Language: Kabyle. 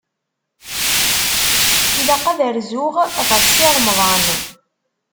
Ilaq ad rzuɣ ɣef Si Remḍan.